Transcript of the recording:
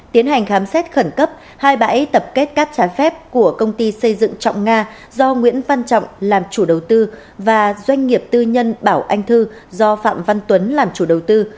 tiến hành khám xét khẩn cấp hai bãi tập kết cát trái phép của công ty xây dựng trọng nga do nguyễn văn trọng làm chủ đầu tư và doanh nghiệp tư nhân bảo anh thư do phạm văn tuấn làm chủ đầu tư